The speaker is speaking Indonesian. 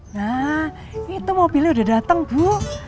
nah itu mobilnya udah datang bu